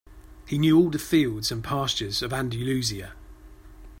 He knew all the fields and pastures of Andalusia.